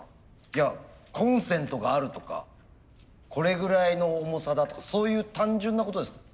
いやコンセントがあるとかこれぐらいの重さだとかそういう単純なことですか？